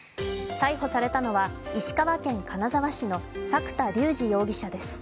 逮捕されたのは石川県金沢市の作田竜二容疑者です。